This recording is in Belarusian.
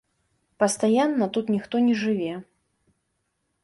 Пастаянна тут ніхто не жыве.